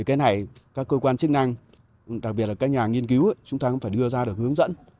cái này các cơ quan chức năng đặc biệt là các nhà nghiên cứu chúng ta cũng phải đưa ra được hướng dẫn